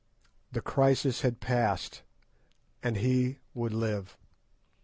The crisis had passed, and he would live.